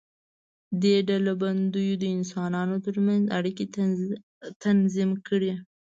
دې ډلبندیو د انسانانو تر منځ اړیکې تنظیم کړې.